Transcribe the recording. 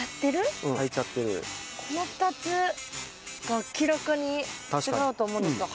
この２つが明らかに違うと思うんですが。